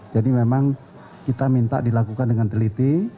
jadi memang kita minta dilakukan dengan teliti